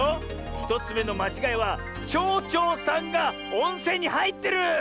１つめのまちがいはちょうちょうさんがおんせんにはいってる！